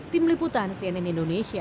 tim liputan cnn indonesia